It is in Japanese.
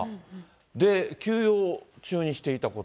で、休養中にしていたこと。